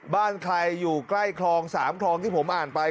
บ้านใครอยู่ใกล้คลอง๓คลองที่ผมอ่านไป